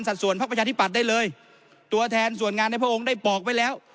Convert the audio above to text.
ส่วนพักประชาธิปัตย์ได้เลยตัวแทนส่วนงานในพระองค์ได้ปอกไว้แล้ว